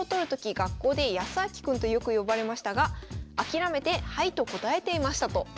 学校で「やすあき君」とよく呼ばれましたが諦めて「はい」と答えていましたということだそうです。